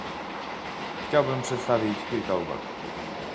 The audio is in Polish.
Chciałbym przedstawić kilka uwag